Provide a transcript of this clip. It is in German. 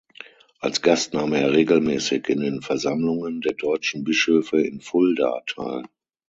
Als Gast nahm er regelmäßig in den Versammlungen der deutschen Bischöfe in Fulda teil.